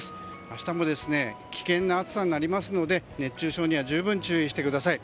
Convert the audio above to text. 明日も危険な暑さになりますので熱中症には十分注意してください。